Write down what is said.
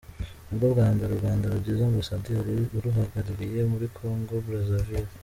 Ni ubwa mbere u Rwanda rugize Ambasaderi uruhagarariye muri Congo Brazaville.